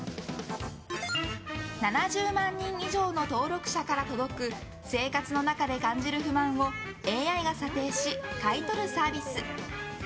７０万人以上の登録者から届く生活の中で感じる不満をＡＩが査定し買い取るサービス。